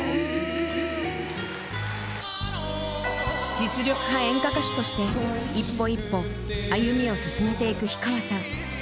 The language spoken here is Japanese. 実力派演歌歌手として一歩一歩歩みを進めていく氷川さん。